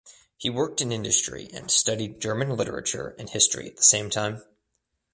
He worked in industry and studied German literature and history at the same time.